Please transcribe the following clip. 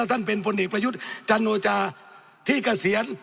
ท่านเป็นพลเอกประยุทธ์จันโนจาที่เกษียณ